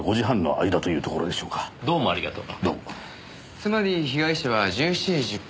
つまり被害者は１７時１０分